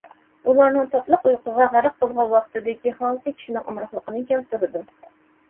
ئۇلارنىڭ تاتلىق ئۇيقۇغا غەرق بولغان ۋاقتىدىكى ھالىتى كىشىنىڭ ئامراقلىقىنى كەلتۈرىدۇ.